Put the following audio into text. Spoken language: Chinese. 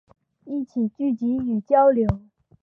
一起聚集与交流